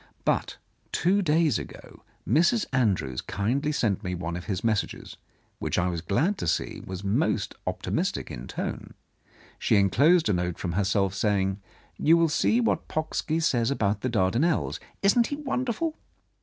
But two days ago Mrs. Andrews kindly sent me one of his messages, which I was glad to see was most optimistic in tone. She en closed a note from herself, saying : "You will like to see what Pocksky says about the Dardanels. Isn't he wonderful?"